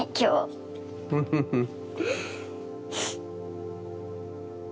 フフフッ。